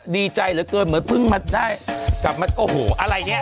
ดีใจเหลือเกินเหมือนเพิ่งมาได้กลับมาโอ้โหอะไรเนี่ย